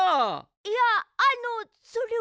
いやあのそれは。